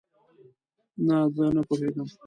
نه، زه نه پوهیږم